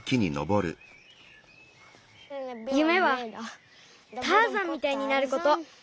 ゆめはターザンみたいになること。